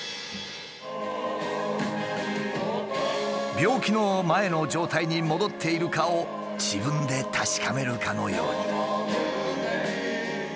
病気の前の状態に戻っているかを自分で確かめるかのように。